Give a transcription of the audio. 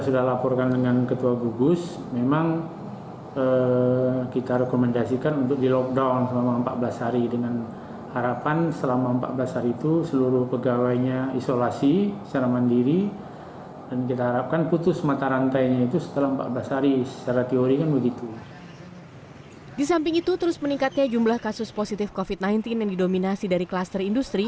di samping itu terus meningkatnya jumlah kasus positif covid sembilan belas yang didominasi dari klaster industri